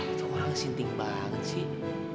itu orang sinting banget sih